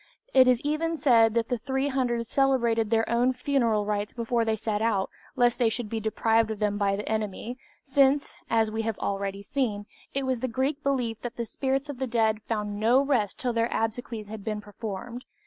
It is even said that the 300 celebrated their own funeral rites before they set out lest they should be deprived of them by the enemy, since, as we have already seen, it was the Greek belief that the spirits of the dead found no rest till their obsequies had been performed.